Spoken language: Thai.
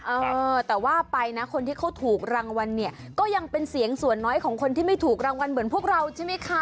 เออแต่ว่าไปนะคนที่เขาถูกรางวัลเนี่ยก็ยังเป็นเสียงส่วนน้อยของคนที่ไม่ถูกรางวัลเหมือนพวกเราใช่ไหมคะ